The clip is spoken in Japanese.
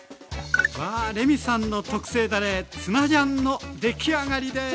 わあレミさんの特製だれツナジャンの出来上がりです。